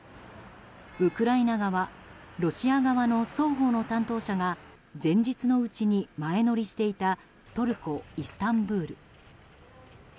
ウクライナ側ロシア側の双方の担当者が前日のうちに前乗りしていたトルコ・イスタンブール。